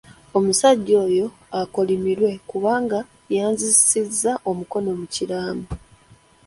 Omusajja oyo akolimirwe kubanga yanzisisa omukono ku kiraamo.